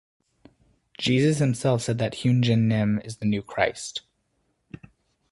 Jesus himself says that Heung Jin Nim is the new Christ.